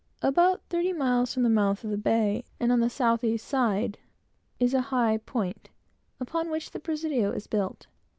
About thirty miles from the mouth of the bay, and on the south east side, is a high point, upon which the presidio is built.